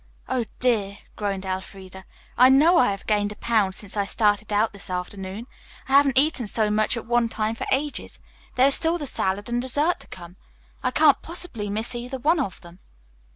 "Oh, dear!" groaned Elfreda, "I know I have gained a pound since I started out this afternoon. I haven't eaten so much at one time for ages. There is still the salad and dessert to come. I can't possibly miss either one of them."